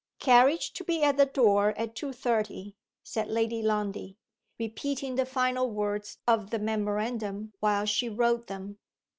"'Carriage to be at the door at two thirty,'" said Lady Lundie, repeating the final words of the memorandum while she wrote them.